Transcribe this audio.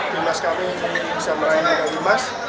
bimas kami bisa merayakan bimas